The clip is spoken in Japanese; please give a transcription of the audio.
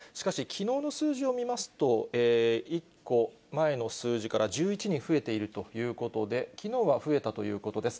しかし、きのうの数字を見ますと、１個前の数字から１１人増えているということで、きのうは増えたということです。